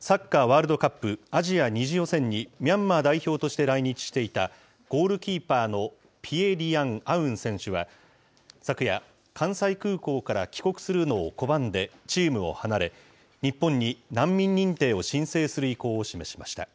サッカーワールドカップアジア２次予選にミャンマー代表として来日していた、ゴールキーパーのピエ・リアン・アウン選手は昨夜、関西空港から帰国するのを拒んでチームを離れ、日本に難民認定を申請する意向を示しました。